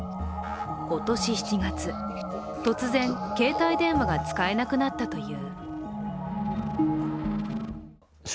今年７月、突然携帯電話が使えなくなったという。